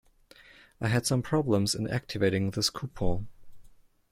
I had some problems in activating this coupon.